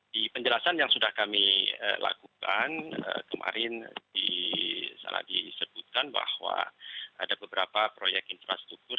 di penjelasan yang sudah kami lakukan kemarin disebutkan bahwa ada beberapa proyek infrastruktur